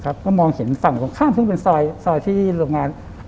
ก็มองเห็นฝั่งตรงข้ามซึ่งเป็นซอยที่โรงงาน